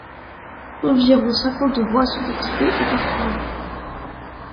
Environ cinquante voies sont équipées et parcourues.